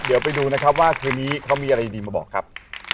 เดี๋ยวไปดูนะครับว่าเทปนี้เขามีอะไรดีมาบอกครับ